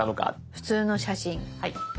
普通の写真。